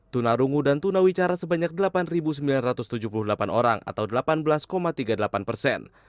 tunarungu dan tunawicara sebanyak delapan sembilan ratus tujuh puluh delapan orang atau delapan belas tiga puluh delapan persen